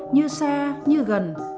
như xa như gần